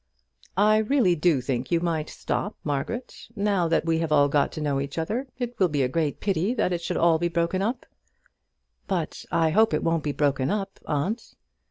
"I really do think you might stop, Margaret. Now that we have all got to know each other, it will be a great pity that it all should be broken up." "But I hope it won't be broken up, aunt."